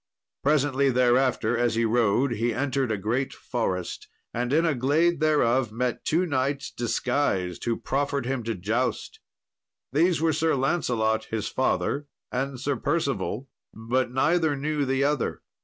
Presently thereafter, as he rode, he entered a great forest, and in a glade thereof met two knights, disguised, who proffered him to joust. These were Sir Lancelot, his father, and Sir Percival, but neither knew the other.